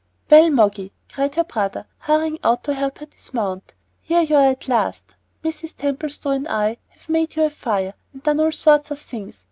"Well, Moggy," cried her brother, hurrying out to help her dismount, "here you are at last. Mrs. Templestowe and I have made you a fire and done all sorts of things.